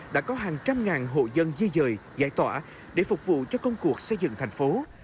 đã có hàng trăm ngàn hộ dân di dời giải tỏa để phục vụ cho công cuộc xây dựng thành phố